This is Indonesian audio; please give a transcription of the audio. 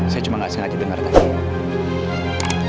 saya cuma nggak sengaja dengar tadi